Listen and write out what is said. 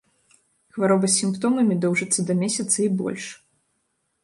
Хвароба з сімптомамі доўжыцца да месяца і больш.